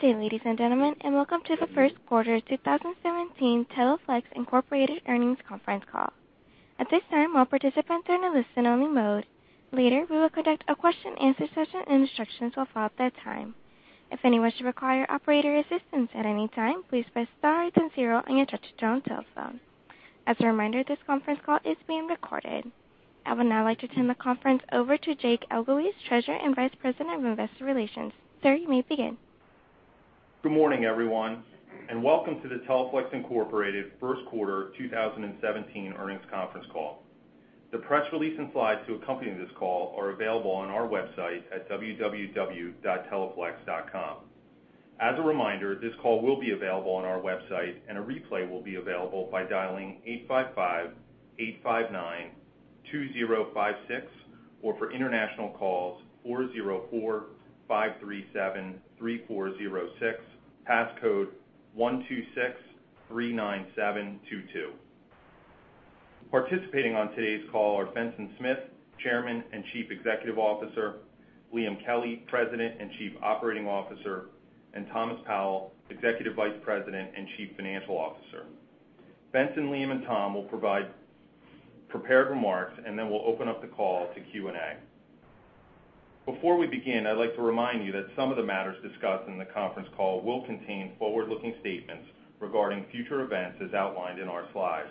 Good day, ladies and gentlemen, and welcome to the first quarter 2017 Teleflex Incorporated earnings conference call. At this time, all participants are in a listen-only mode. Later, we will conduct a question-and-answer session, and instructions will follow at that time. If anyone should require operator assistance at any time, please press star then zero on your touch-tone telephone. As a reminder, this conference call is being recorded. I would now like to turn the conference over to Jake Elguicze, Treasurer and Vice President of Investor Relations. Sir, you may begin. Good morning, everyone, and welcome to the Teleflex Incorporated first quarter 2017 earnings conference call. The press release and slides to accompany this call are available on our website at www.teleflex.com. As a reminder, this call will be available on our website, and a replay will be available by dialing 855-859-2056, or for international calls, 404-537-3406, passcode 12639722. Participating on today's call are Benson Smith, Chairman and Chief Executive Officer; Liam Kelly, President and Chief Operating Officer; and Thomas Powell, Executive Vice President and Chief Financial Officer. Benson, Liam, and Tom will provide prepared remarks, and then we'll open up the call to Q&A. Before we begin, I'd like to remind you that some of the matters discussed in the conference call will contain forward-looking statements regarding future events as outlined in our slides.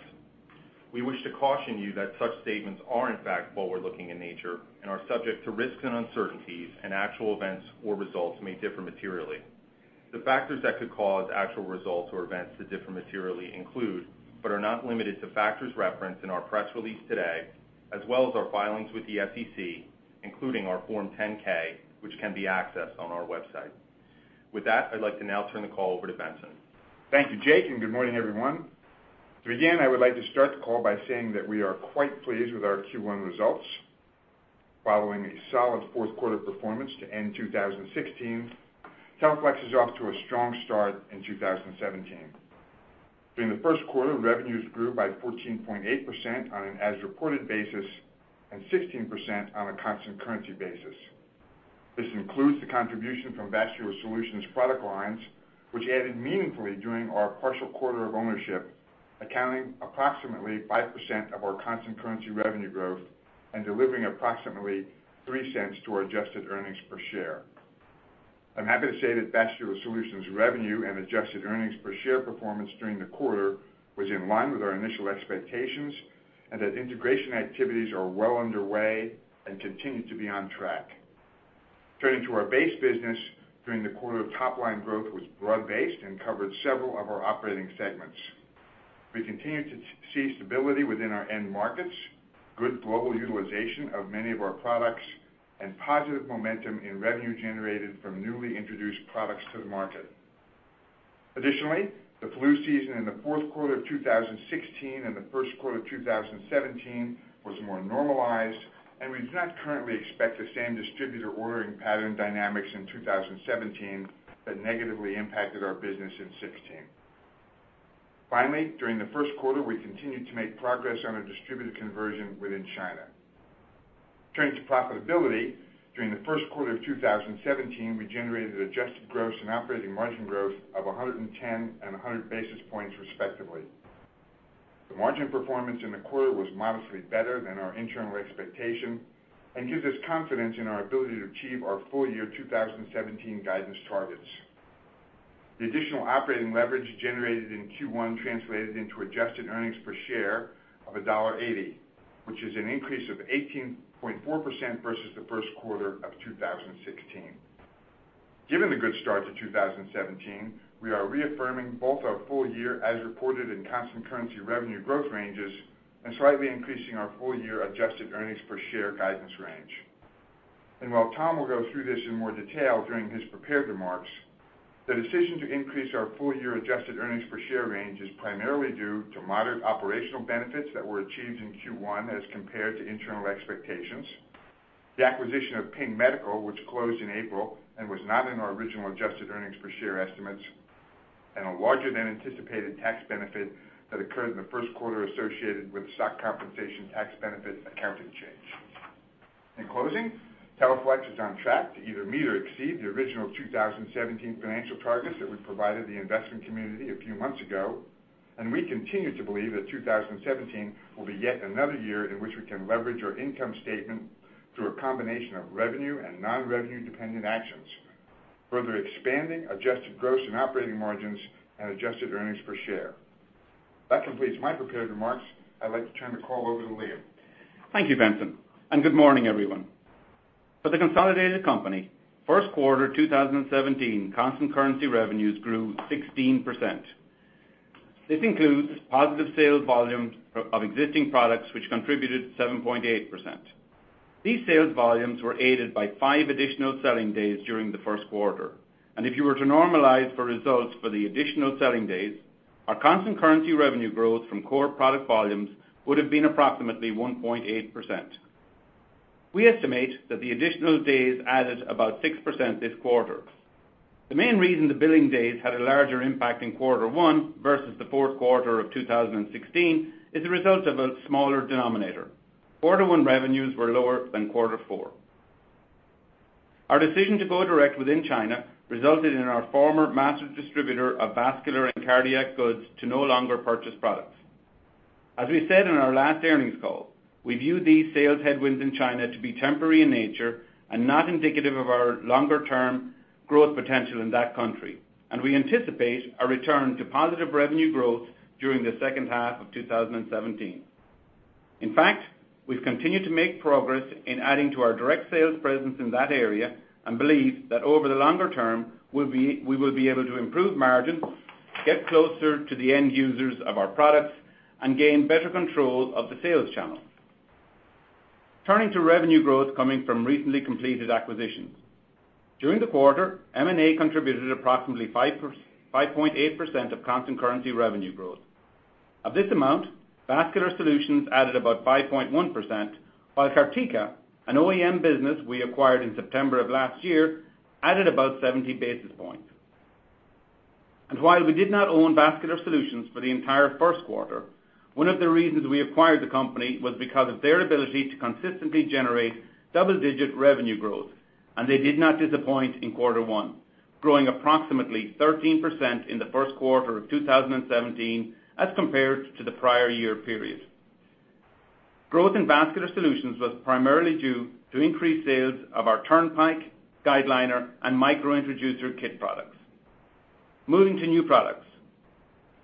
We wish to caution you that such statements are in fact forward-looking in nature and are subject to risks and uncertainties. Actual events or results may differ materially. The factors that could cause actual results or events to differ materially include, but are not limited to, factors referenced in our press release today, as well as our filings with the SEC, including our Form 10-K, which can be accessed on our website. With that, I'd like to now turn the call over to Benson. Thank you, Jake, and good morning, everyone. To begin, I would like to start the call by saying that we are quite pleased with our Q1 results. Following a solid fourth quarter performance to end 2016, Teleflex is off to a strong start in 2017. During the first quarter, revenues grew by 14.8% on an as-reported basis and 16% on a constant currency basis. This includes the contribution from Vascular Solutions product lines, which added meaningfully during our partial quarter of ownership, accounting approximately 5% of our constant currency revenue growth and delivering approximately $0.03 to our adjusted earnings per share. I'm happy to say that Vascular Solutions revenue and adjusted earnings-per-share performance during the quarter was in line with our initial expectations. That integration activities are well underway and continue to be on track. Turning to our base business, during the quarter, top-line growth was broad-based and covered several of our operating segments. We continue to see stability within our end markets, good global utilization of many of our products, and positive momentum in revenue generated from newly introduced products to the market. Additionally, the flu season in the fourth quarter of 2016 and the first quarter of 2017 was more normalized, and we do not currently expect the same distributor ordering pattern dynamics in 2017 that negatively impacted our business in 2016. Finally, during the first quarter, we continued to make progress on our distributor conversion within China. Turning to profitability, during the first quarter of 2017, we generated adjusted gross and operating margin growth of 110 and 100 basis points respectively. The margin performance in the quarter was modestly better than our internal expectation and gives us confidence in our ability to achieve our full year 2017 guidance targets. The additional operating leverage generated in Q1 translated into adjusted earnings per share of $1.80, which is an increase of 18.4% versus the first quarter of 2016. Given the good start to 2017, we are reaffirming both our full year as reported and constant currency revenue growth ranges and slightly increasing our full-year adjusted earnings per share guidance range. While Tom will go through this in more detail during his prepared remarks, the decision to increase our full-year adjusted earnings per share range is primarily due to moderate operational benefits that were achieved in Q1 as compared to internal expectations, the acquisition of Pyng Medical, which closed in April and was not in our original adjusted earnings per share estimates, and a larger than anticipated tax benefit that occurred in the first quarter associated with stock compensation tax benefit accounting change. In closing, Teleflex is on track to either meet or exceed the original 2017 financial targets that we provided the investment community a few months ago, and we continue to believe that 2017 will be yet another year in which we can leverage our income statement through a combination of revenue and non-revenue dependent actions, further expanding adjusted gross and operating margins and adjusted earnings per share. That completes my prepared remarks. I'd like to turn the call over to Liam. Thank you, Benson, and good morning, everyone. For the consolidated company, first quarter 2017 constant currency revenues grew 16%. This includes positive sales volume of existing products, which contributed 7.8%. These sales volumes were aided by five additional selling days during the first quarter. If you were to normalize for results for the additional selling days, our constant currency revenue growth from core product volumes would've been approximately 1.8%. We estimate that the additional days added about 6% this quarter. The main reason the billing days had a larger impact in quarter one versus the fourth quarter of 2016 is the result of a smaller denominator. Quarter one revenues were lower than quarter four. Our decision to go direct within China resulted in our former master distributor of vascular and cardiac goods to no longer purchase products. As we said in our last earnings call, we view these sales headwinds in China to be temporary in nature and not indicative of our longer-term growth potential in that country, and we anticipate a return to positive revenue growth during the second half of 2017. In fact, we've continued to make progress in adding to our direct sales presence in that area and believe that over the longer term, we will be able to improve margins, get closer to the end users of our products, and gain better control of the sales channels. Turning to revenue growth coming from recently completed acquisitions. During the quarter, M&A contributed approximately 5.8% of constant currency revenue growth. Of this amount, Vascular Solutions added about 5.1%, while Cartica, an OEM business we acquired in September of last year, added about 70 basis points. While we did not own Vascular Solutions for the entire first quarter, one of the reasons we acquired the company was because of their ability to consistently generate double-digit revenue growth, and they did not disappoint in quarter one, growing approximately 13% in the first quarter of 2017 as compared to the prior year period. Growth in Vascular Solutions was primarily due to increased sales of our Turnpike, GuideLiner, and Micro-Introducer Kit products. Moving to new products.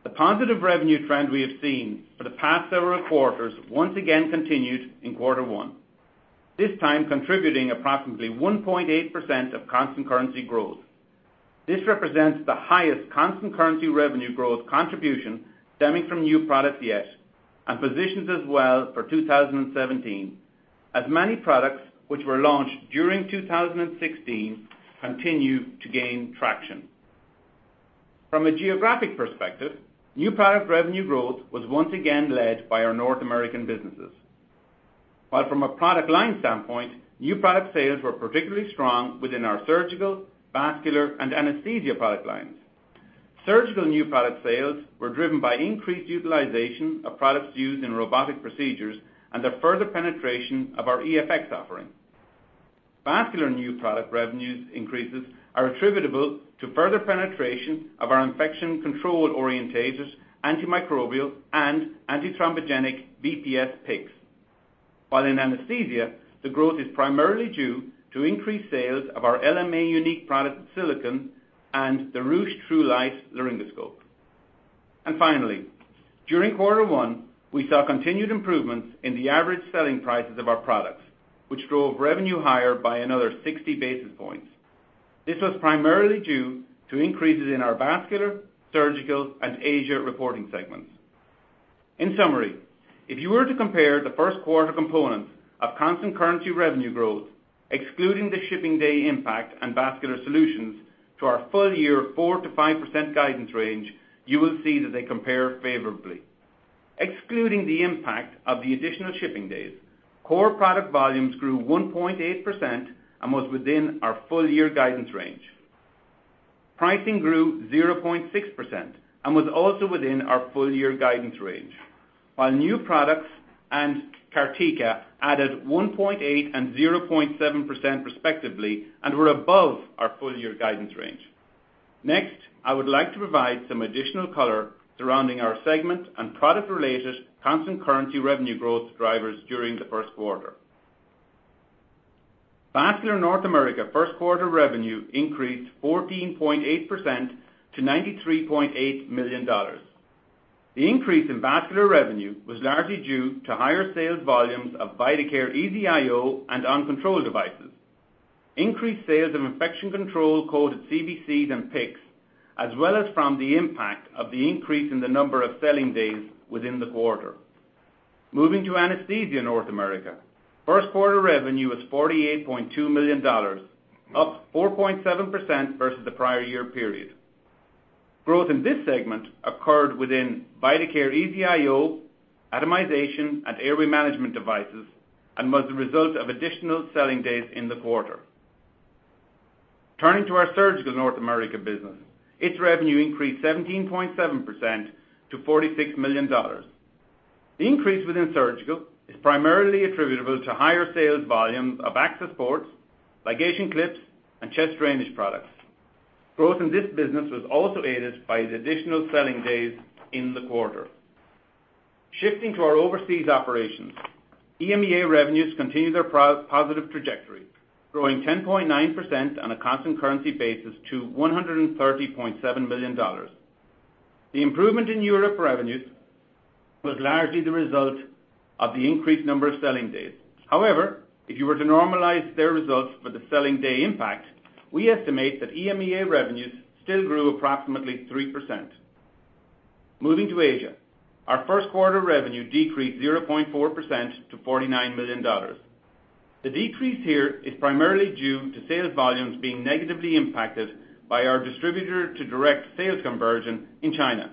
The positive revenue trend we have seen for the past several quarters once again continued in quarter one, this time contributing approximately 1.8% of constant currency growth. This represents the highest constant currency revenue growth contribution stemming from new products yet, and positions us well for 2017, as many products which were launched during 2016 continue to gain traction. From a geographic perspective, new product revenue growth was once again led by our North American businesses. While from a product line standpoint, new product sales were particularly strong within our surgical, vascular, and anesthesia product lines. Surgical new product sales were driven by increased utilization of products used in robotic procedures and the further penetration of our Weck EFx offering. Vascular new product revenues increases are attributable to further penetration of our infection control orientated antimicrobial and antithrombogenic Arrowg+ard Blue Plus PICCs. While in anesthesia, the growth is primarily due to increased sales of our LMA Unique (Silicone Cuff) product and the Rüsch TruLite laryngoscope. Finally, during quarter one, we saw continued improvements in the average selling prices of our products, which drove revenue higher by another 60 basis points. This was primarily due to increases in our vascular, surgical, and Asia reporting segments. In summary, if you were to compare the first quarter components of constant currency revenue growth, excluding the shipping day impact and Vascular Solutions, to our full-year 4%-5% guidance range, you will see that they compare favorably. Excluding the impact of the additional shipping days, core product volumes grew 1.8% and was within our full-year guidance range. Pricing grew 0.6% and was also within our full-year guidance range. While new products and Cartica added 1.8% and 0.7% respectively and were above our full-year guidance range. Next, I would like to provide some additional color surrounding our segment and product-related constant currency revenue growth drivers during the first quarter. Vascular North America first quarter revenue increased 14.8% to $93.8 million. The increase in vascular revenue was largely due to higher sales volumes of Vidacare EZ-IO and OnControl devices, increased sales of infection control coated CVCs and PICCs, as well as from the impact of the increase in the number of selling days within the quarter. Moving to Anesthesia North America, first quarter revenue was $48.2 million, up 4.7% versus the prior year period. Growth in this segment occurred within Vidacare EZ-IO, Atomization, and Airway Management devices and was the result of additional selling days in the quarter. Turning to our Surgical North America business, its revenue increased 17.7% to $46 million. The increase within Surgical is primarily attributable to higher sales volumes of access ports, ligation clips, and chest drainage products. Growth in this business was also aided by the additional selling days in the quarter. Shifting to our overseas operations. EMEA revenues continue their positive trajectory, growing 10.9% on a constant currency basis to $130.7 million. The improvement in Europe revenues was largely the result of the increased number of selling days. However, if you were to normalize their results for the selling day impact, we estimate that EMEA revenues still grew approximately 3%. Moving to Asia, our first quarter revenue decreased 0.4% to $49 million. The decrease here is primarily due to sales volumes being negatively impacted by our distributor-to-direct sales conversion in China.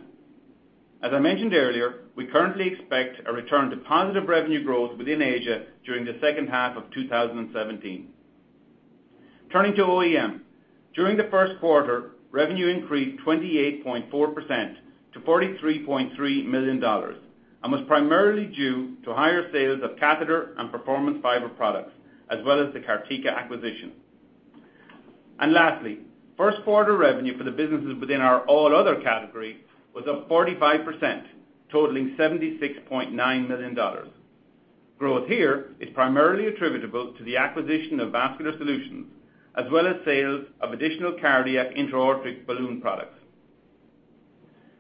As I mentioned earlier, we currently expect a return to positive revenue growth within Asia during the second half of 2017. Turning to OEM. During the first quarter, revenue increased 28.4% to $43.3 million and was primarily due to higher sales of catheter and performance fiber products, as well as the Cartica acquisition. Lastly, first quarter revenue for the businesses within our All Other category was up 45%, totaling $76.9 million. Growth here is primarily attributable to the acquisition of Vascular Solutions, as well as sales of additional cardiac intra-aortic balloon products.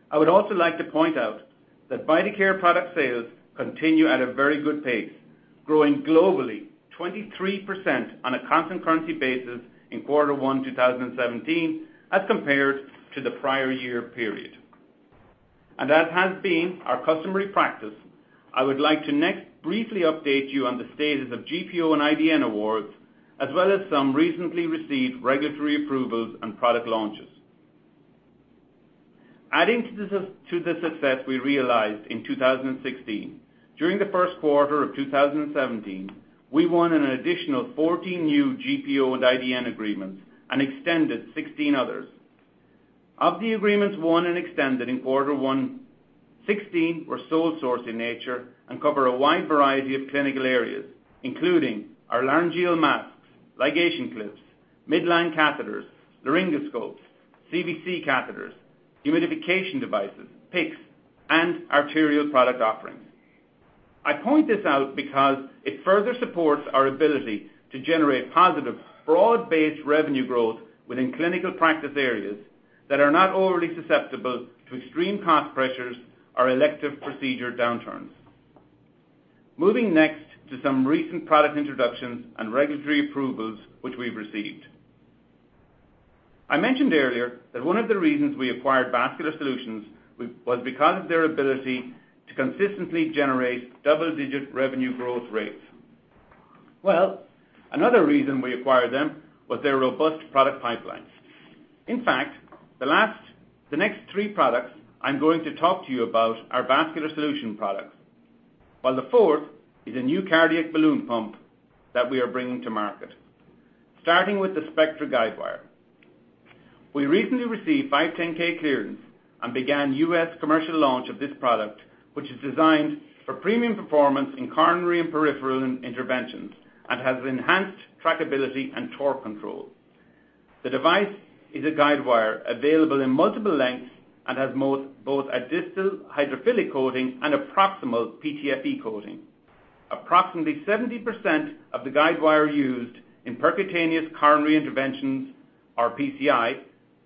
I would also like to point out that Vidacare product sales continue at a very good pace, growing globally 23% on a constant currency basis in quarter one 2017 as compared to the prior year period. As has been our customary practice, I would like to next briefly update you on the status of GPO and IDN awards, as well as some recently received regulatory approvals and product launches. Adding to the success we realized in 2016, during the first quarter of 2017, we won an additional 14 new GPO and IDN agreements and extended 16 others. Of the agreements won and extended in quarter one, 16 were sole source in nature and cover a wide variety of clinical areas, including our laryngeal masks, ligation clips, midline catheters, laryngoscopes, CVC catheters, humidification devices, PICCs, and arterial product offerings. I point this out because it further supports our ability to generate positive, broad-based revenue growth within clinical practice areas that are not overly susceptible to extreme cost pressures or elective procedure downturns. Moving next to some recent product introductions and regulatory approvals which we've received. I mentioned earlier that one of the reasons we acquired Vascular Solutions was because of their ability to consistently generate double-digit revenue growth rates. Another reason we acquired them was their robust product pipelines. The next three products I'm going to talk to you about are Vascular Solutions products, while the fourth is a new cardiac balloon pump that we are bringing to market. Starting with the Spectre Guidewire. We recently received 510(k) clearance and began U.S. commercial launch of this product, which is designed for premium performance in coronary and peripheral interventions and has enhanced trackability and torque control. The device is a guidewire available in multiple lengths and has both a distal hydrophilic coating and a proximal PTFE coating. Approximately 70% of the guidewire used in percutaneous coronary interventions, or PCI,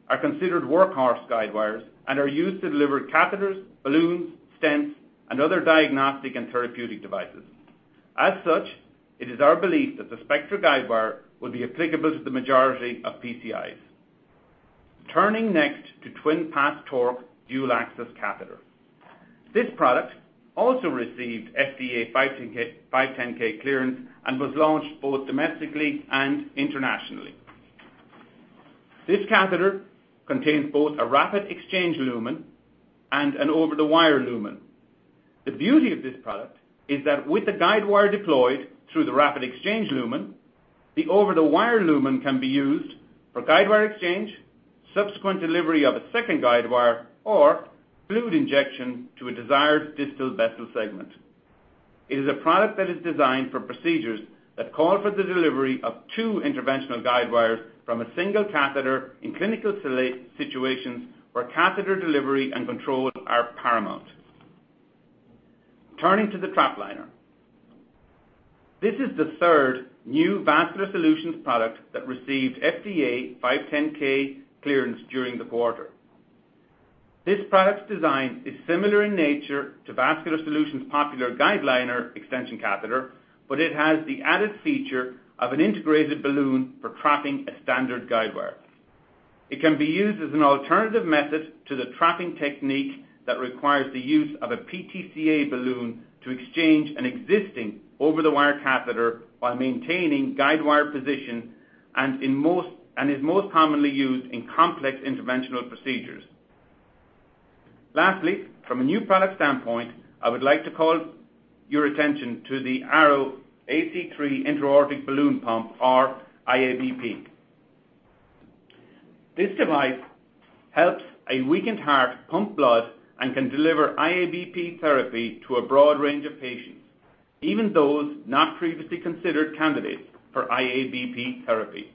are considered workhorse guidewires and are used to deliver catheters, balloons, stents, and other diagnostic and therapeutic devices. It is our belief that the Spectre Guidewire will be applicable to the majority of PCIs. Turning next to Twin-Pass Torque Dual Access Catheter. This product also received FDA 510(k) clearance and was launched both domestically and internationally. This catheter contains both a rapid exchange lumen and an over-the-wire lumen. The beauty of this product is that with the guidewire deployed through the rapid exchange lumen, the over-the-wire lumen can be used for guidewire exchange, subsequent delivery of a second guidewire, or fluid injection to a desired distal vessel segment. It is a product that is designed for procedures that call for the delivery of two interventional guidewires from a single catheter in clinical situations where catheter delivery and control are paramount. Turning to the TrapLiner. This is the third new Vascular Solutions product that received FDA 510(k) clearance during the quarter. This product's design is similar in nature to Vascular Solutions' popular GuideLiner extension catheter, but it has the added feature of an integrated balloon for trapping a standard guidewire. It can be used as an alternative method to the trapping technique that requires the use of a PTCA balloon to exchange an existing over-the-wire catheter while maintaining guidewire position and is most commonly used in complex interventional procedures. Lastly, from a new product standpoint, I would like to call your attention to the Arrow AC3 Intra-Aortic Balloon Pump, or IABP. This device helps a weakened heart pump blood and can deliver IABP therapy to a broad range of patients, even those not previously considered candidates for IABP therapy.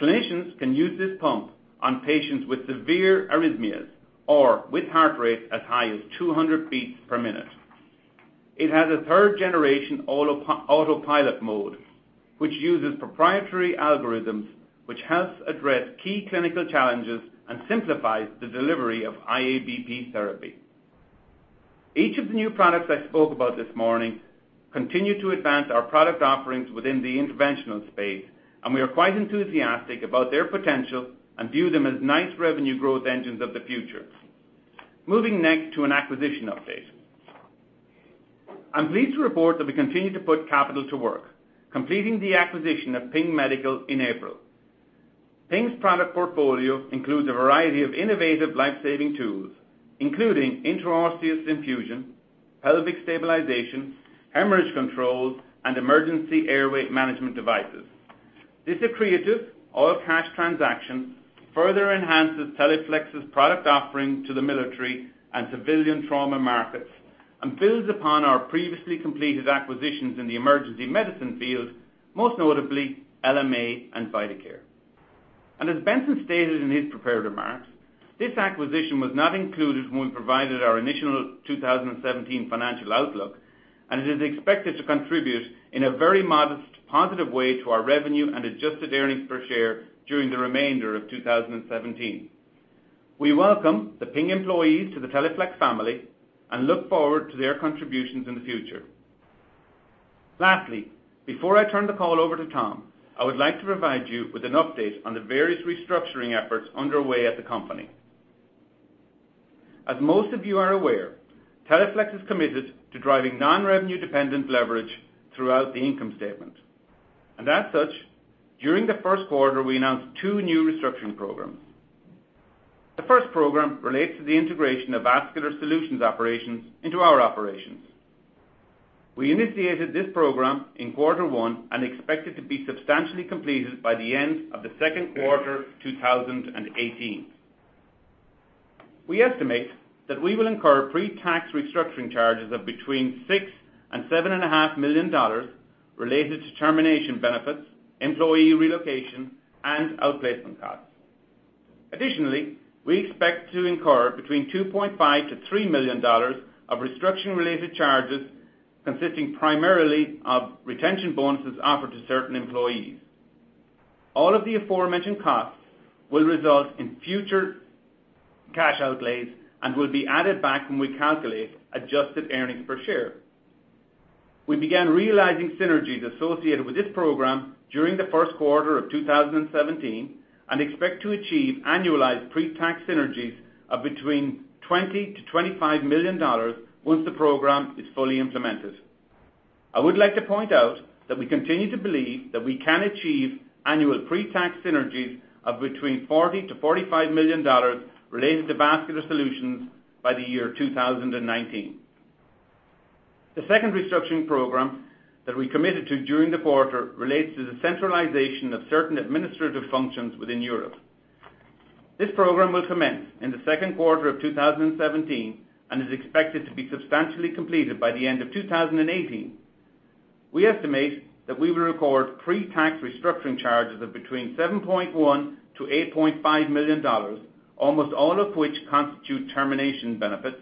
Clinicians can use this pump on patients with severe arrhythmias or with heart rates as high as 200 beats per minute. It has a third-generation autopilot mode, which uses proprietary algorithms, which helps address key clinical challenges and simplifies the delivery of IABP therapy. We are quite enthusiastic about their potential and view them as nice revenue growth engines of the future. Moving next to an acquisition update. I'm pleased to report that we continue to put capital to work, completing the acquisition of Pyng Medical in April. Pyng's product portfolio includes a variety of innovative life-saving tools, including intraosseous infusion, pelvic stabilization, hemorrhage controls, and emergency airway management devices. This accretive all cash transaction further enhances Teleflex's product offering to the military and civilian trauma markets and builds upon our previously completed acquisitions in the emergency medicine field, most notably LMA and Vidacare. As Benson stated in his prepared remarks, this acquisition was not included when we provided our initial 2017 financial outlook, and it is expected to contribute in a very modest positive way to our revenue and adjusted earnings per share during the remainder of 2017. We welcome the Pyng employees to the Teleflex family and look forward to their contributions in the future. Lastly, before I turn the call over to Tom, I would like to provide you with an update on the various restructuring efforts underway at the company. As most of you are aware, Teleflex is committed to driving non-revenue dependent leverage throughout the income statement. As such, during the first quarter, we announced two new restructuring programs. The first program relates to the integration of Vascular Solutions operations into our operations. We initiated this program in quarter one and expect it to be substantially completed by the end of the second quarter 2018. We estimate that we will incur pre-tax restructuring charges of between $6 million and $7.5 million related to termination benefits, employee relocation, and outplacement costs. Additionally, we expect to incur between $2.5 million-$3 million of restructuring-related charges consisting primarily of retention bonuses offered to certain employees. All of the aforementioned costs will result in future cash outlays and will be added back when we calculate adjusted earnings per share. We began realizing synergies associated with this program during the first quarter of 2017 and expect to achieve annualized pre-tax synergies of between $20 million-$25 million once the program is fully implemented. I would like to point out that we continue to believe that we can achieve annual pre-tax synergies of between $40 million-$45 million related to Vascular Solutions by the year 2019. The second restructuring program that we committed to during the quarter relates to the centralization of certain administrative functions within Europe. This program will commence in the second quarter of 2017 and is expected to be substantially completed by the end of 2018. We estimate that we will record pre-tax restructuring charges of between $7.1 million-$8.5 million, almost all of which constitute termination benefits,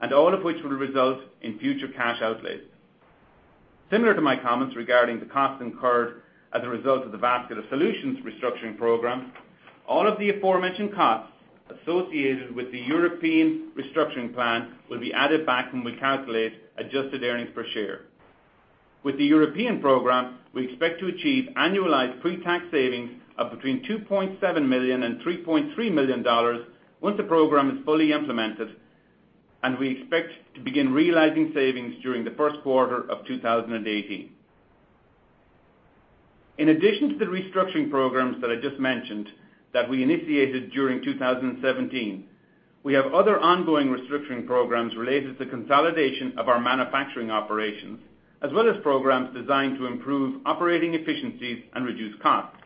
and all of which will result in future cash outlays. Similar to my comments regarding the costs incurred as a result of the Vascular Solutions restructuring program, all of the aforementioned costs associated with the European restructuring plan will be added back when we calculate adjusted earnings per share. With the European program, we expect to achieve annualized pre-tax savings of between $2.7 million and $3.3 million once the program is fully implemented, and we expect to begin realizing savings during the first quarter of 2018. In addition to the restructuring programs that I just mentioned that we initiated during 2017, we have other ongoing restructuring programs related to consolidation of our manufacturing operations, as well as programs designed to improve operating efficiencies and reduce costs.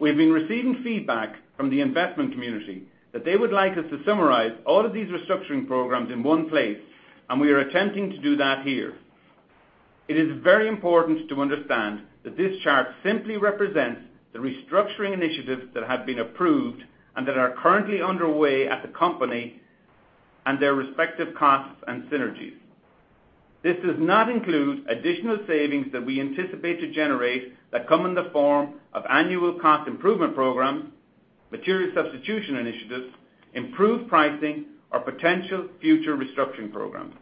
We have been receiving feedback from the investment community that they would like us to summarize all of these restructuring programs in one place, and we are attempting to do that here. It is very important to understand that this chart simply represents the restructuring initiatives that have been approved and that are currently underway at the company and their respective costs and synergies. This does not include additional savings that we anticipate to generate that come in the form of annual cost improvement programs, material substitution initiatives, improved pricing, or potential future restructuring programs.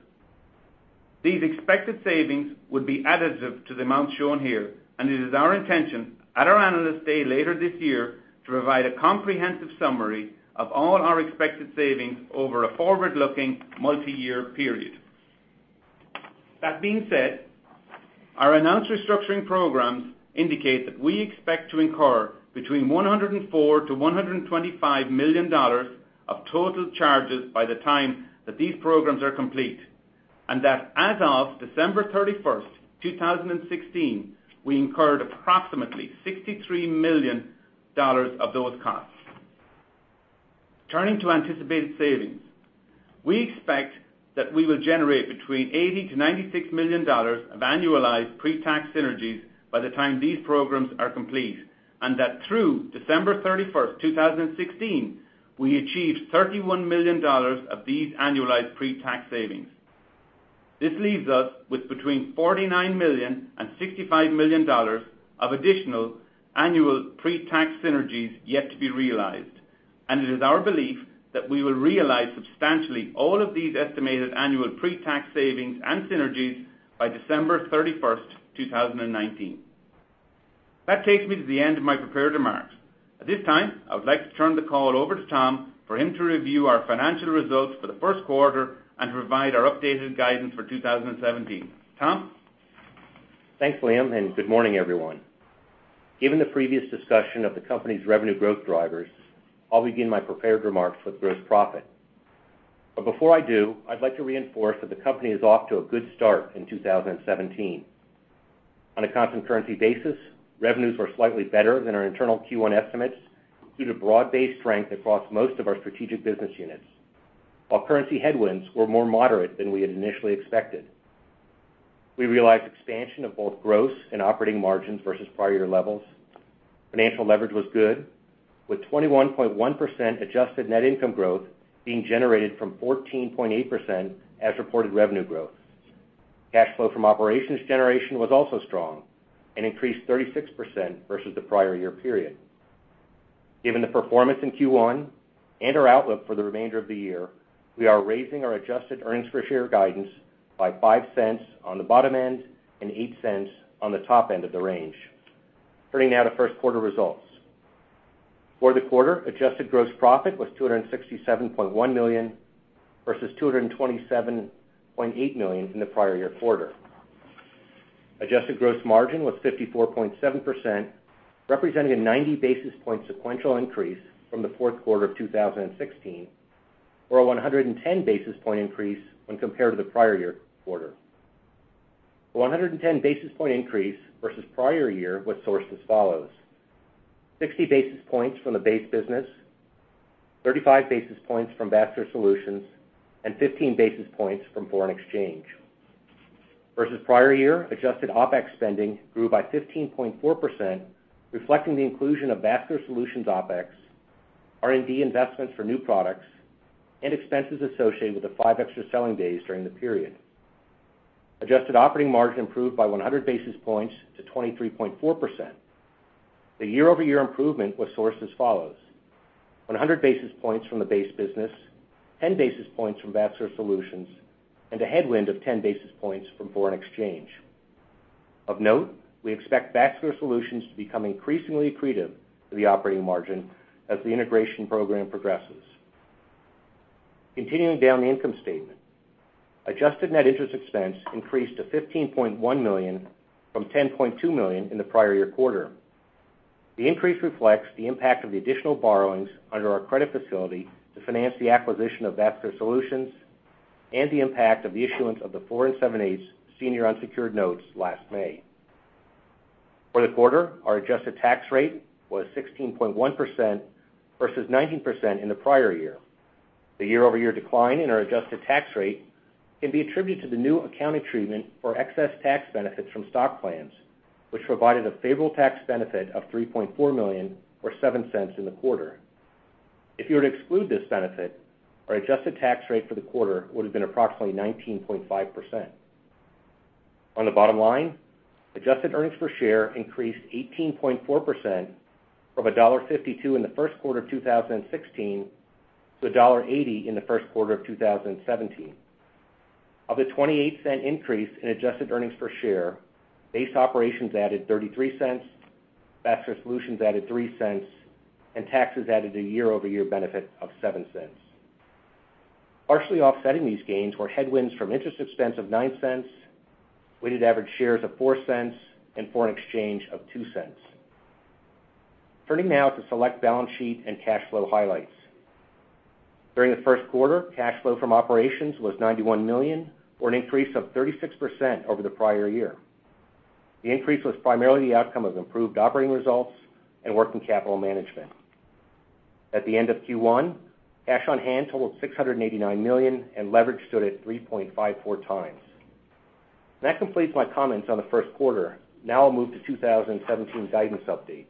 These expected savings would be additive to the amount shown here, and it is our intention at our Analyst Day later this year to provide a comprehensive summary of all our expected savings over a forward-looking multi-year period. That being said, our announced restructuring programs indicate that we expect to incur between $104 million to $125 million of total charges by the time that these programs are complete, and that as of December 31st, 2016, we incurred approximately $63 million of those costs. Turning to anticipated savings. We expect that we will generate between $80 million to $96 million of annualized pre-tax synergies by the time these programs are complete, and that through December 31st, 2016, we achieved $31 million of these annualized pre-tax savings. This leaves us with between $49 million and $65 million of additional annual pre-tax synergies yet to be realized. It is our belief that we will realize substantially all of these estimated annual pre-tax savings and synergies by December 31st, 2019. That takes me to the end of my prepared remarks. At this time, I would like to turn the call over to Tom for him to review our financial results for the first quarter and provide our updated guidance for 2017. Tom? Thanks, Liam, good morning, everyone. Given the previous discussion of the company's revenue growth drivers, I'll begin my prepared remarks with gross profit. Before I do, I'd like to reinforce that the company is off to a good start in 2017. On a constant currency basis, revenues were slightly better than our internal Q1 estimates due to broad-based strength across most of our strategic business units. While currency headwinds were more moderate than we had initially expected. We realized expansion of both gross and operating margins versus prior year levels. Financial leverage was good, with 21.1% adjusted net income growth being generated from 14.8% as reported revenue growth. Cash flow from operations generation was also strong and increased 36% versus the prior year period. Given the performance in Q1 and our outlook for the remainder of the year, we are raising our adjusted earnings per share guidance by $0.05 on the bottom end and $0.08 on the top end of the range. Turning now to first quarter results. For the quarter, adjusted gross profit was $267.1 million, versus $227.8 million in the prior year quarter. Adjusted gross margin was 54.7%, representing a 90 basis point sequential increase from the fourth quarter of 2016, or a 110 basis point increase when compared to the prior year quarter. The 110 basis point increase versus prior year was sourced as follows: 60 basis points from the base business, 35 basis points from Vascular Solutions, and 15 basis points from foreign exchange. Versus prior year, adjusted OpEx spending grew by 15.4%, reflecting the inclusion of Vascular Solutions OpEx, R&D investments for new products, and expenses associated with the five extra selling days during the period. Adjusted operating margin improved by 100 basis points to 23.4%. The year-over-year improvement was sourced as follows: 100 basis points from the base business, 10 basis points from Vascular Solutions, and a headwind of 10 basis points from foreign exchange. Of note, we expect Vascular Solutions to become increasingly accretive to the operating margin as the integration program progresses. Continuing down the income statement. Adjusted net interest expense increased to $15.1 million from $10.2 million in the prior year quarter. The increase reflects the impact of the additional borrowings under our credit facility to finance the acquisition of Vascular Solutions and the impact of the issuance of the four and seven eights senior unsecured notes last May. For the quarter, our adjusted tax rate was 16.1% versus 19% in the prior year. The year-over-year decline in our adjusted tax rate can be attributed to the new accounting treatment for excess tax benefits from stock plans, which provided a favorable tax benefit of $3.4 million or $0.07 in the quarter. If you were to exclude this benefit, our adjusted tax rate for the quarter would have been approximately 19.5%. On the bottom line, adjusted earnings per share increased 18.4% from $1.52 in the first quarter of 2016 to $1.80 in the first quarter of 2017. Of the $0.28 increase in adjusted earnings per share, base operations added $0.33, Vascular Solutions added $0.03, and taxes added a year-over-year benefit of $0.07. Partially offsetting these gains were headwinds from interest expense of $0.09, weighted average shares of $0.04, and foreign exchange of $0.02. Turning now to select balance sheet and cash flow highlights. During the first quarter, cash flow from operations was $91 million, or an increase of 36% over the prior year. The increase was primarily the outcome of improved operating results and working capital management. At the end of Q1, cash on hand totaled $689 million and leverage stood at 3.54 times. That completes my comments on the first quarter. I'll move to 2017 guidance updates.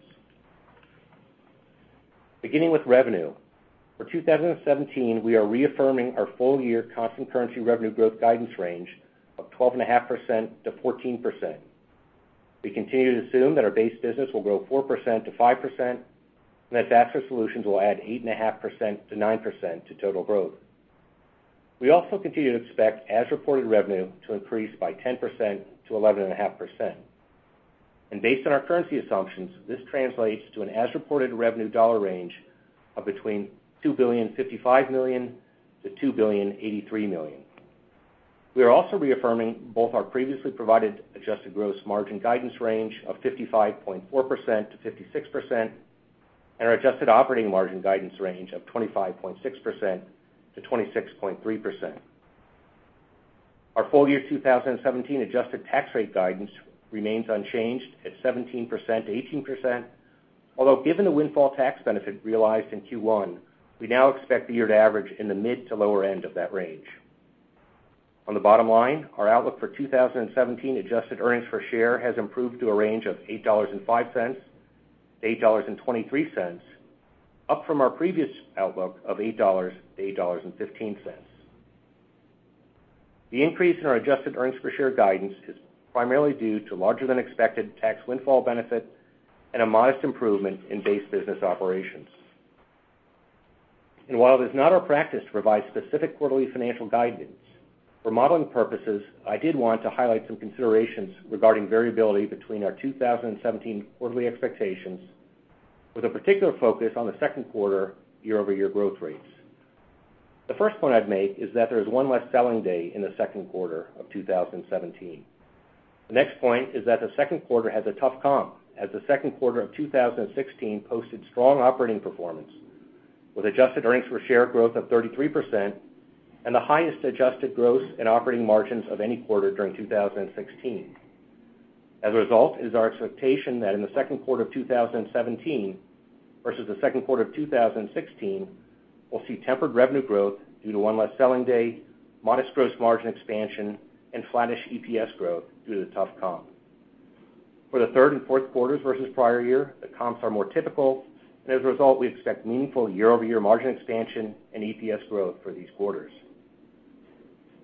Beginning with revenue, for 2017, we are reaffirming our full-year constant currency revenue growth guidance range of 12.5%-14%. We continue to assume that our base business will grow 4%-5%, and that Vascular Solutions will add 8.5%-9% to total growth. We also continue to expect as-reported revenue to increase by 10%-11.5%. Based on our currency assumptions, this translates to an as-reported revenue dollar range of between $2.055 billion-$2.083 billion. We are also reaffirming both our previously provided adjusted gross margin guidance range of 55.4%-56%, and our adjusted operating margin guidance range of 25.6%-26.3%. Our full-year 2017 adjusted tax rate guidance remains unchanged at 17%-18%, although given the windfall tax benefit realized in Q1, we now expect the year to average in the mid to lower end of that range. On the bottom line, our outlook for 2017 adjusted earnings per share has improved to a range of $8.05-$8.23, up from our previous outlook of $8-$8.15. The increase in our adjusted earnings per share guidance is primarily due to larger than expected tax windfall benefit and a modest improvement in base business operations. While it is not our practice to provide specific quarterly financial guidance, for modeling purposes, I did want to highlight some considerations regarding variability between our 2017 quarterly expectations with a particular focus on the second quarter year-over-year growth rates. The first point I'd make is that there is one less selling day in the second quarter of 2017. The next point is that the second quarter has a tough comp, as the second quarter of 2016 posted strong operating performance with adjusted earnings per share growth of 33% and the highest adjusted gross and operating margins of any quarter during 2016. As a result, it is our expectation that in the second quarter of 2017 versus the second quarter of 2016, we'll see tempered revenue growth due to one less selling day, modest gross margin expansion, and flattish EPS growth due to the tough comp. For the third and fourth quarters versus prior year, the comps are more typical. As a result, we expect meaningful year-over-year margin expansion and EPS growth for these quarters.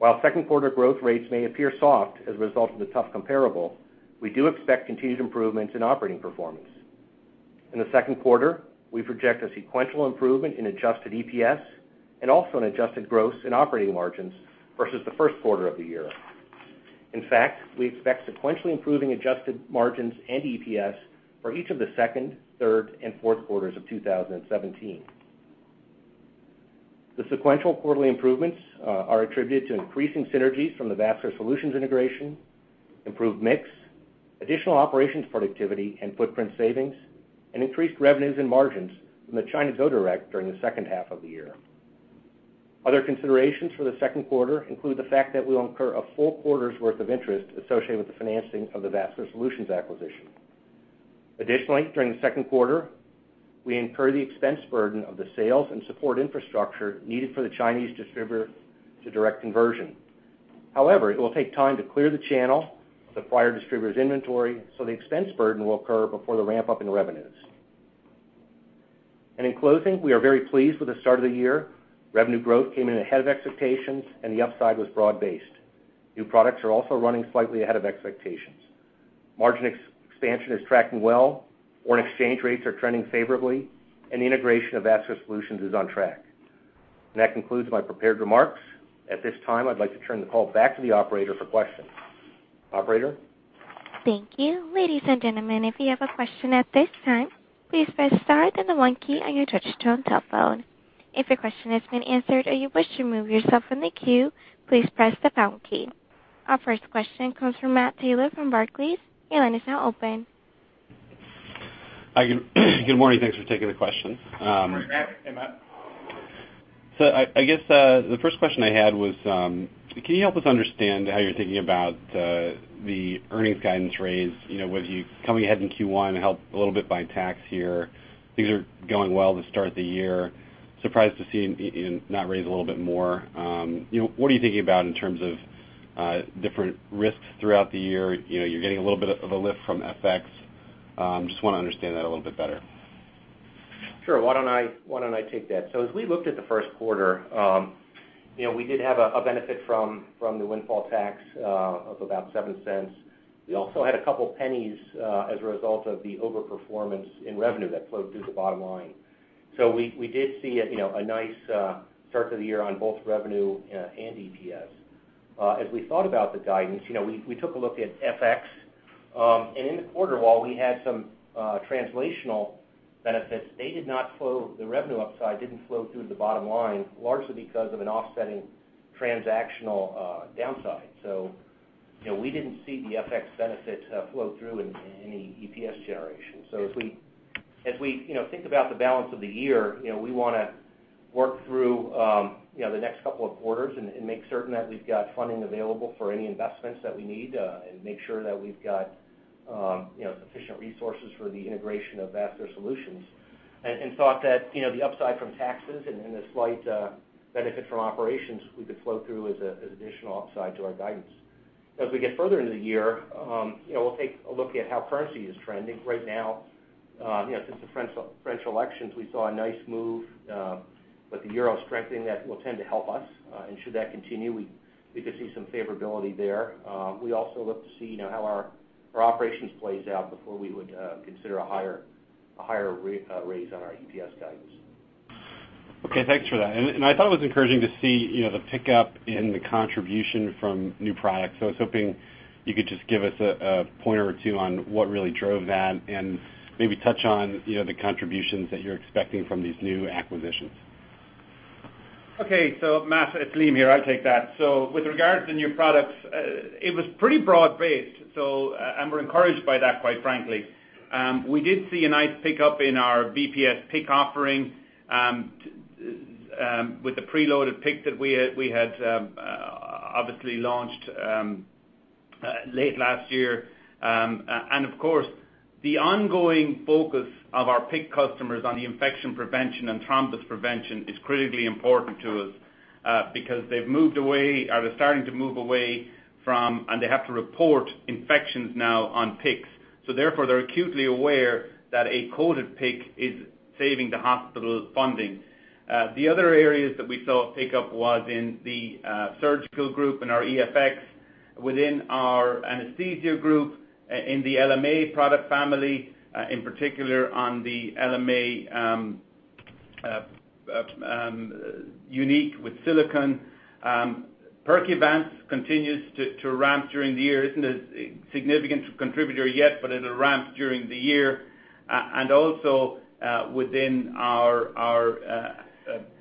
While second quarter growth rates may appear soft as a result of the tough comparable, we do expect continued improvements in operating performance. In the second quarter, we project a sequential improvement in adjusted EPS and also in adjusted gross and operating margins versus the first quarter of the year. In fact, we expect sequentially improving adjusted margins and EPS for each of the second, third, and fourth quarters of 2017. The sequential quarterly improvements are attributed to increasing synergies from the Vascular Solutions integration, improved mix, additional operations productivity and footprint savings, and increased revenues and margins from the China go direct during the second half of the year. Other considerations for the second quarter include the fact that we'll incur a full quarter's worth of interest associated with the financing of the Vascular Solutions acquisition. Additionally, during the second quarter, we incur the expense burden of the sales and support infrastructure needed for the Chinese distributor to direct conversion. However, it will take time to clear the channel, the prior distributor's inventory, so the expense burden will occur before the ramp-up in revenues. In closing, we are very pleased with the start of the year. Revenue growth came in ahead of expectations, and the upside was broad-based. New products are also running slightly ahead of expectations. Margin expansion is tracking well, foreign exchange rates are trending favorably, and the integration of Vascular Solutions is on track. That concludes my prepared remarks. At this time, I'd like to turn the call back to the operator for questions. Operator? Thank you. Ladies and gentlemen, if you have a question at this time, please press star then the one key on your touch-tone telephone. If your question has been answered or you wish to remove yourself from the queue, please press the pound key. Our first question comes from Matt Taylor from Barclays. Your line is now open. Good morning. Thanks for taking the questions. Good morning, Matt. Hey, Matt. I guess, the first question I had was, can you help us understand how you're thinking about the earnings guidance raise, with you coming ahead in Q1, helped a little bit by tax here, things are going well to start the year. Surprised to see you not raise a little bit more. What are you thinking about in terms of different risks throughout the year? You're getting a little bit of a lift from FX. Just want to understand that a little bit better. Sure. Why don't I take that? As we looked at the first quarter, we did have a benefit from the windfall tax of about $0.07. We also had a couple pennies as a result of the over-performance in revenue that flowed through the bottom line. We did see a nice start to the year on both revenue and EPS. As we thought about the guidance, we took a look at FX, and in the quarter, while we had some translational benefits. The revenue upside didn't flow through to the bottom line, largely because of an offsetting transactional downside. We didn't see the FX benefit flow through in any EPS generation. As we think about the balance of the year, we want to work through the next couple of quarters and make certain that we've got funding available for any investments that we need and make sure that we've got sufficient resources for the integration of Vascular Solutions. Thought that the upside from taxes and the slight benefit from operations we could flow through as additional upside to our guidance. As we get further into the year, we'll take a look at how currency is trending. Right now, since the French elections, we saw a nice move, with the euro strengthening, that will tend to help us. Should that continue, we could see some favorability there. We also look to see how our operations plays out before we would consider a higher raise on our EPS guidance. Okay, thanks for that. I thought it was encouraging to see the pickup in the contribution from new products. I was hoping you could just give us a point or two on what really drove that and maybe touch on the contributions that you're expecting from these new acquisitions. Okay. Matt, it's Liam here, I'll take that. With regards to new products, it was pretty broad-based. We're encouraged by that, quite frankly. We did see a nice pickup in our VPS PIC offering, with the preloaded PIC that we had obviously launched late last year. Of course, the ongoing focus of our PIC customers on the infection prevention and thrombus prevention is critically important to us, because they've moved away, or they're starting to move away from, and they have to report infections now on PICCs. Therefore, they're acutely aware that a coded PICC is saving the hospital funding. The other areas that we saw a pickup was in the surgical group, in our EFx, within our anesthesia group, in the LMA product family, in particular on the LMA Unique with Silicone. Percuvance continues to ramp during the year. Isn't a significant contributor yet, but it'll ramp during the year, and also within our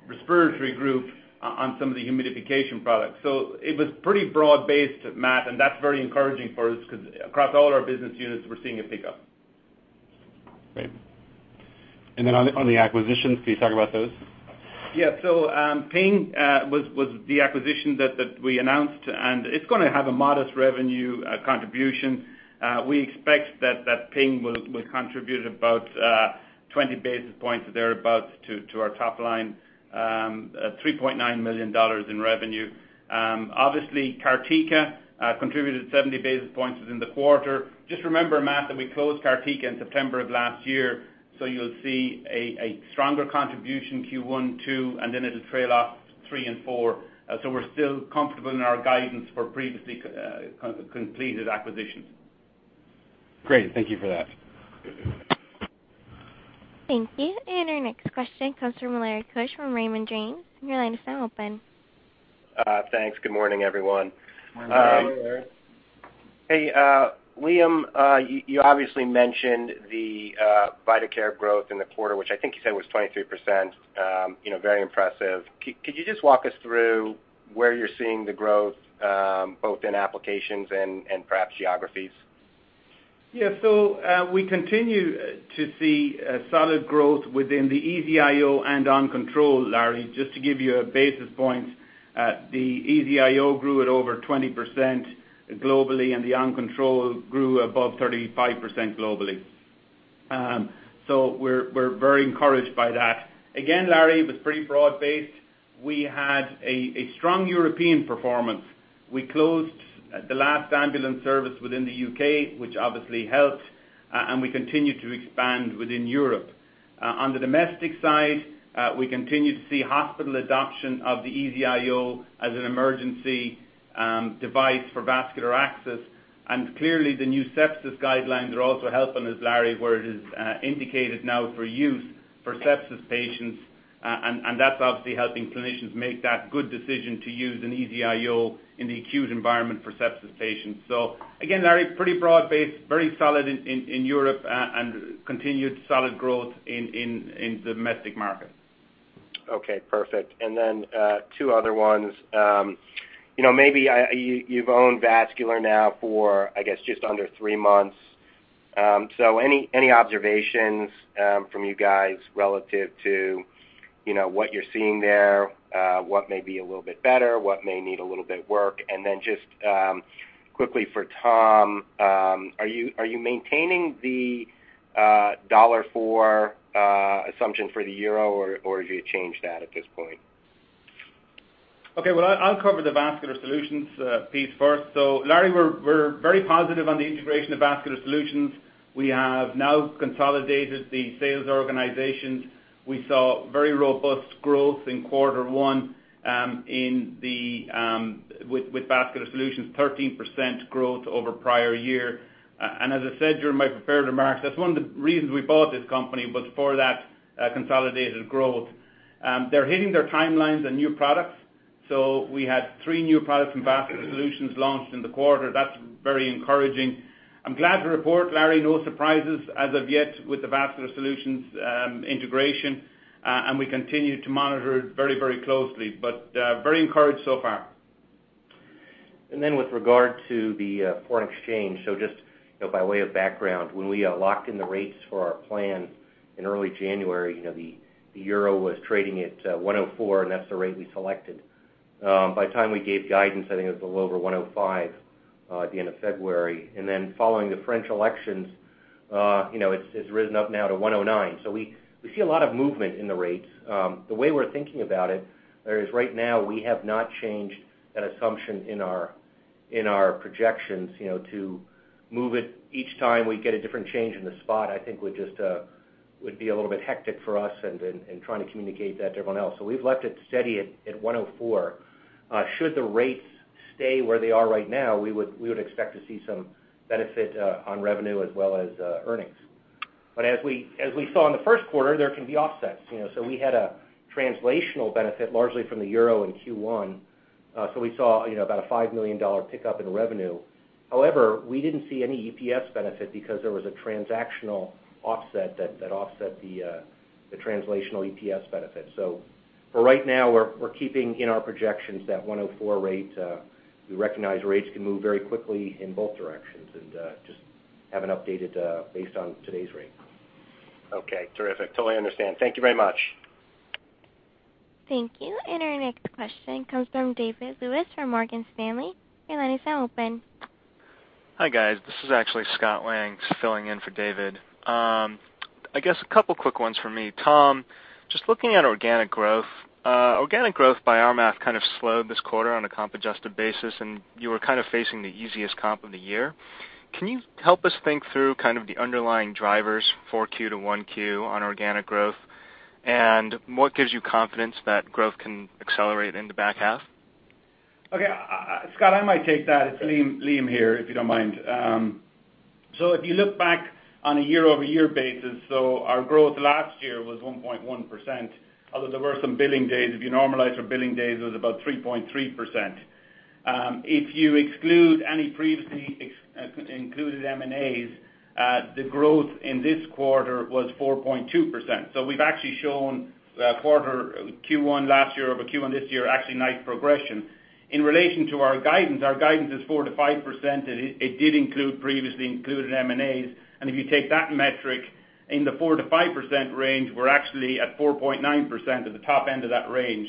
respiratory group on some of the humidification products. It was pretty broad-based, Matt, that's very encouraging for us because across all our business units, we're seeing a pickup. Great. On the acquisitions, can you talk about those? Yeah. Pyng was the acquisition that we announced, and it's going to have a modest revenue contribution. We expect that Pyng will contribute about 20 basis points or thereabout to our top line, $3.9 million in revenue. Obviously, Cartica contributed 70 basis points within the quarter. Just remember, Matt, that we closed Cartica in September of last year, you'll see a stronger contribution Q1, two, and then it'll trail off three and four, we're still comfortable in our guidance for previously completed acquisitions. Great. Thank you for that. Thank you. Our next question comes from Lawrence Keusch from Raymond James. Your line is now open. Thanks. Good morning, everyone. Morning, Larry. Hey, Larry. Hey. Liam, you obviously mentioned the Vidacare growth in the quarter, which I think you said was 23%, very impressive. Could you just walk us through where you're seeing the growth, both in applications and perhaps geographies? Yeah. We continue to see solid growth within the EZ-IO and OnControl, Larry. Just to give you a basis point, the EZ-IO grew at over 20% globally, and the OnControl grew above 35% globally. We're very encouraged by that. Again, Larry, it was pretty broad-based. We had a strong European performance. We closed the last ambulance service within the U.K., which obviously helped, and we continue to expand within Europe. On the domestic side, we continue to see hospital adoption of the EZ-IO as an emergency device for vascular access. Clearly the new sepsis guidelines are also helping us, Larry, where it is indicated now for use for sepsis patients, and that's obviously helping clinicians make that good decision to use an EZ-IO in the acute environment for sepsis patients. Again, Larry, pretty broad-based, very solid in Europe, and continued solid growth in domestic markets. Okay, perfect. Two other ones. Maybe you've owned Vascular now for, I guess, just under three months. Any observations from you guys relative to what you're seeing there, what may be a little bit better, what may need a little bit work? Just quickly for Tom, are you maintaining the $1.04 assumption for the EUR, or have you changed that at this point? Okay. Well, I'll cover the Vascular Solutions piece first. Larry, we're very positive on the integration of Vascular Solutions. We have now consolidated the sales organizations. We saw very robust growth in quarter one with Vascular Solutions, 13% growth over prior year. As I said during my prepared remarks, that's one of the reasons we bought this company, was for that consolidated growth. They're hitting their timelines on new products. We had three new products from Vascular Solutions launched in the quarter. That's very encouraging. I'm glad to report, Larry, no surprises as of yet with the Vascular Solutions integration, and we continue to monitor it very closely, but very encouraged so far. With regard to the foreign exchange, just by way of background, when we locked in the rates for our plan in early January, the EUR was trading at 1.04, and that's the rate we selected. By the time we gave guidance, I think it was a little over 1.05 at the end of February. Following the French elections, it's risen up now to 1.09. We see a lot of movement in the rates. The way we're thinking about it, Larry, is right now, we have not changed that assumption in our projections to move it each time we get a different change in the spot. I think would be a little bit hectic for us and trying to communicate that to everyone else. We've left it steady at 1.04. Should the rates stay where they are right now, we would expect to see some benefit on revenue as well as earnings. As we saw in the first quarter, there can be offsets. We had a translational benefit largely from the EUR in Q1, we saw about a $5 million pick-up in revenue. However, we didn't see any EPS benefit because there was a transactional offset that offset the translational EPS benefit. For right now, we're keeping in our projections that 1.04 rate. We recognize rates can move very quickly in both directions and just haven't updated based on today's rate. Okay, terrific. Totally understand. Thank you very much. Thank you. Our next question comes from David Lewis from Morgan Stanley. Your line is now open. Hi, guys. This is actually Scott Lang filling in for David. I guess a couple quick ones from me. Tom, just looking at organic growth. Organic growth by our math kind of slowed this quarter on a comp adjusted basis, and you were kind of facing the easiest comp of the year. Can you help us think through kind of the underlying drivers for Q to one Q on organic growth? What gives you confidence that growth can accelerate in the back half? Okay. Scott, I might take that. It's Liam here, if you don't mind. If you look back on a year-over-year basis, so our growth last year was 1.1%, although there were some billing days. If you normalize for billing days, it was about 3.3%. If you exclude any previously included M&As, the growth in this quarter was 4.2%. We've actually shown quarter Q1 last year over Q1 this year, actually nice progression. In relation to our guidance, our guidance is 4%-5%, and it did include previously included M&As. If you take that metric in the 4%-5% range, we're actually at 4.9% at the top end of that range.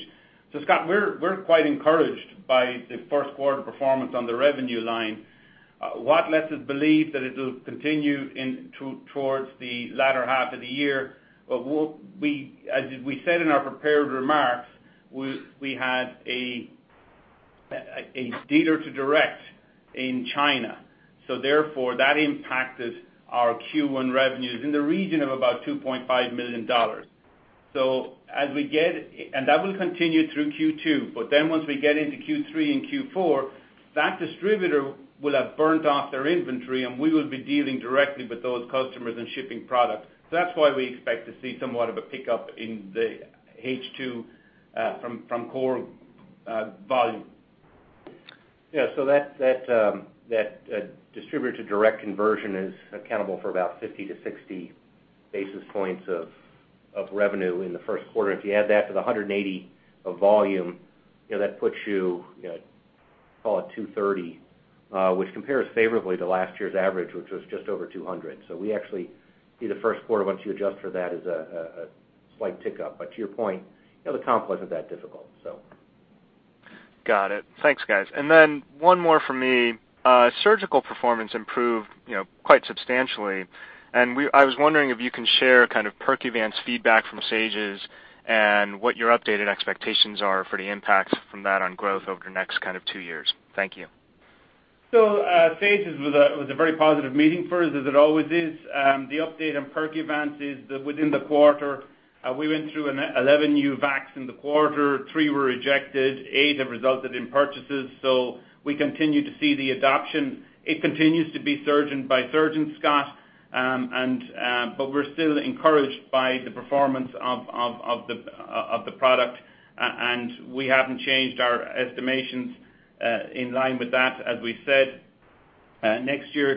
Scott, we're quite encouraged by the first quarter performance on the revenue line. What lets us believe that it will continue towards the latter half of the year? As we said in our prepared remarks, we had a dealer to direct in China. Therefore, that impacted our Q1 revenues in the region of about $2.5 million. That will continue through Q2, but once we get into Q3 and Q4, that distributor will have burnt off their inventory, and we will be dealing directly with those customers and shipping products. That's why we expect to see somewhat of a pickup in the H2 from core volume. Yeah. That distributor to direct conversion is accountable for about 50 to 60 basis points of revenue in the first quarter. If you add that to the 180 of volume, that puts you, call it 230, which compares favorably to last year's average, which was just over 200. We actually see the first quarter, once you adjust for that, is a slight tick up. To your point, the comp wasn't that difficult. Got it. Thanks, guys. One more from me. Surgical performance improved quite substantially, and I was wondering if you can share kind of Percuvance feedback from SAGES and what your updated expectations are for the impacts from that on growth over the next kind of two years. Thank you. SAGES was a very positive meeting for us, as it always is. The update on Percuvance is that within the quarter, we went through 11 new VACs in the quarter. Three were rejected. Eight have resulted in purchases. We continue to see the adoption. It continues to be surgeon by surgeon, Scott, but we're still encouraged by the performance of the product. We haven't changed our estimations in line with that. As we said, next year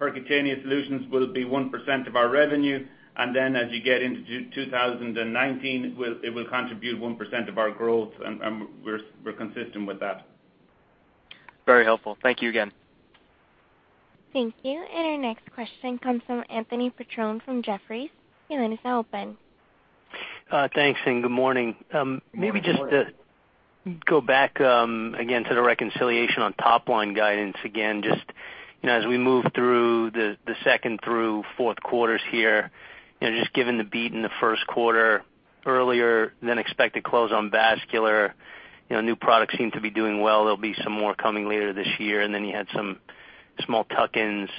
Percutaneous Solutions will be 1% of our revenue, and as you get into 2019, it will contribute 1% of our growth, and we're consistent with that. Very helpful. Thank you again. Thank you. Our next question comes from Anthony Petrone from Jefferies. Your line is now open. Thanks. Good morning. Good morning. Maybe just to go back again to the reconciliation on top-line guidance again, just as we move through the second through fourth quarters here, just given the beat in the first quarter earlier than expected close on Vascular, new products seem to be doing well. There'll be some more coming later this year, and then you had some small tuck-ins.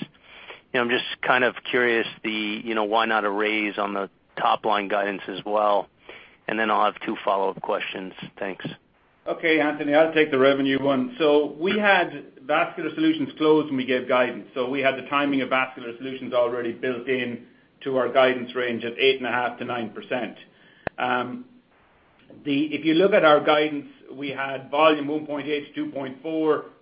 I'm just kind of curious the why not a raise on the top-line guidance as well? I'll have two follow-up questions. Thanks. Okay, Anthony, I'll take the revenue one. We had Vascular Solutions closed when we gave guidance. We had the timing of Vascular Solutions already built into our guidance range at 8.5%-9%. If you look at our guidance, we had volume 1.8-2.4.